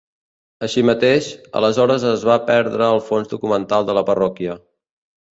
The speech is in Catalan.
Així mateix, aleshores es va perdre el fons documental de la parròquia.